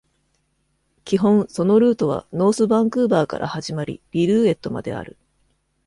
基本、そのルートはノースヴァンクーヴァーから始まりリルーエットまである。